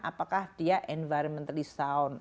apakah dia environmentally sound